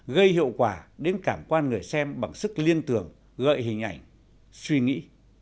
gây hiệu quả đến cảm quan người xem bằng sức liên tưởng gợi hình ảnh suy nghĩ